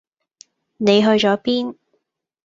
你去左邊？